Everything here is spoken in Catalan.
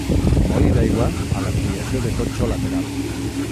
Molí d'aigua a l'ampliació de totxo lateral.